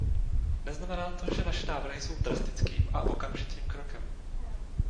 Neznamená to, že naše návrhy jsou drastickým a okamžitým krokem.